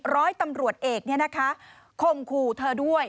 ร้อยตำรวจเอกเนี่ยนะคะคงคู่เธอด้วย